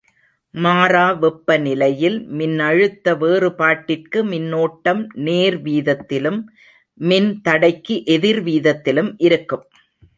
மாறா வெப்பநிலையில் மின்னழுத்த வேறுபாட்டிற்கு மின்னோட்டம் நேர் வீதத்திலும் மின்தடைக்கு எதிர்வீதத்திலும் இருக்கும்.